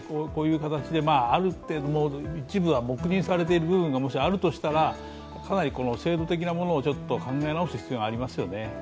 こういう形である程度一部は黙認されている部分があるとしたら、制度的なものを考え直す必要がありますよね。